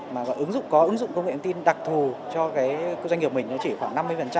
mà có ứng dụng công nghệ tin đặc thù cho cái doanh nghiệp mình nó chỉ khoảng năm mươi